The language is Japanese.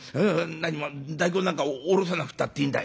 なにも大根なんかおろさなくたっていいんだ。